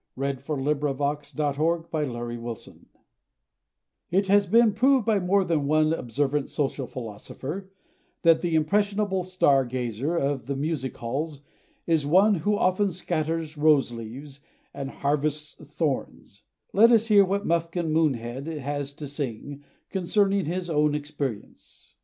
[Illustration: His Bouquet] IT HAS been proved by more than one observant social Philosopher, that the impressionable star gazer of the Music Halls is one who often scatters rose leaves, and harvests thorns; let us hear what Muffkin Moonhead has to sing, concerning his own experience.